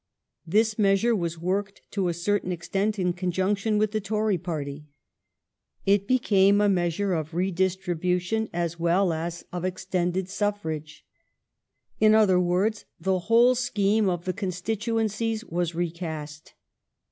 This measure was worked to a cer tain extent in conjunction with the Tory party. It became a measure of redistribution as well as 2A 354 THE STORY OF GLADSTONE'S LIFE of extended suffrage. In other words, the whole scheme of the constituencies was recast.